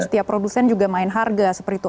setiap produsen juga main harga seperti itu